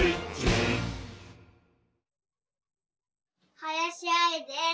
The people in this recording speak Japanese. はやしあいです。